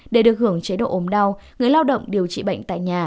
để được hưởng chế độ ồm đau người lao động điều trị bệnh tại nhà